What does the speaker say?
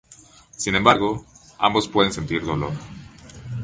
Sin embargo, ambos pueden sentir dolor.